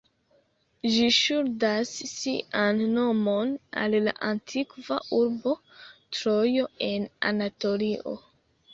Ĝi ŝuldas sian nomon al la antikva urbo Trojo en Anatolio.